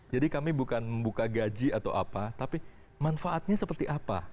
jadi kami bukan membuka gaji atau apa tapi manfaatnya seperti apa